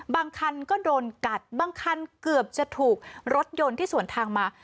บางคันก็โดนกัดบางคันเกือบจะถูกรถยนต์ที่สวนทางมา